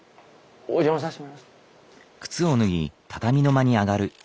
お邪魔させてもらいます。